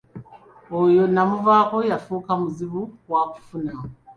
Oyo namuvaako yafuuka muzibu wakufuna.